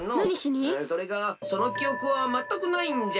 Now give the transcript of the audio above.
それがそのきおくはまったくないんじゃ。